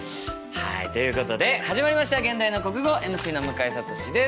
はいということで始まりました「現代の国語」ＭＣの向井慧です。